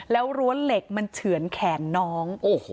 แล้วรั้วเหล็กมันเฉือนแขนน้อง